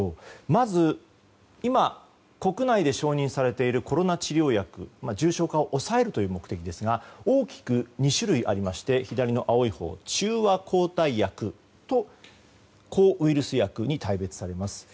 まず、今、国内で承認されているコロナ治療薬重症化を抑えるという目的ですが大きく２種類ありまして左の青いほう、中和抗体薬と抗ウイルス薬に大別されます。